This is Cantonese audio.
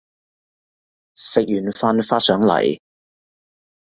食完飯發上嚟